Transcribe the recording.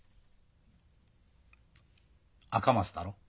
赤松だろ？